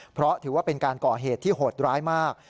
เพราะถือว่าเป็นการก่อเหตุที่โหดร้ายมาก